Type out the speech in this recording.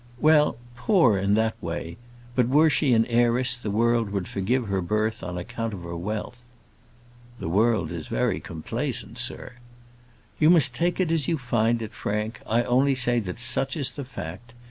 "Well, poor in that way. But were she an heiress, the world would forgive her birth on account of her wealth." "The world is very complaisant, sir." "You must take it as you find it, Frank. I only say that such is the fact.